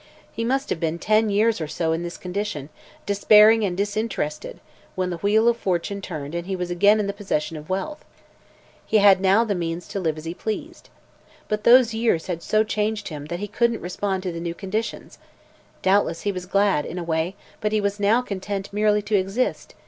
He must have been ten years or so in this condition, despairing and disinterested, when the wheel of fortune turned and he was again in the possession of wealth. He had now the means to live as he pleased. But those years had so changed him that he couldn't respond to the new conditions. Doubtless he was glad, in a way, but he was now content merely to exist.